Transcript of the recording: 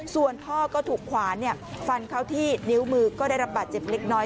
ส่วนพ่อก็ถูกขวานฟันเข้าที่นิ้วมือก็ได้รับบาดเจ็บเล็กน้อย